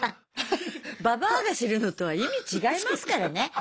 ババアがするのとは意味違いますからね。